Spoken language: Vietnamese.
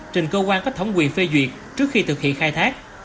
trên cơ quan cách thống quy phê duyệt trước khi thực hiện khai thác